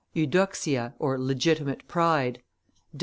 EUDOXIA; OR LEGITIMATE PRIDE.